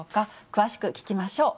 詳しく聞きましょう。